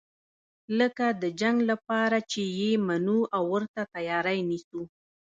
لکه د جنګ لپاره چې یې منو او ورته تیاری نیسو.